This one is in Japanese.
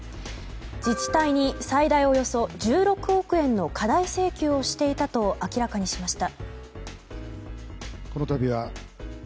自治体に最大およそ１６億円の過大請求をしていたと明らかにしました。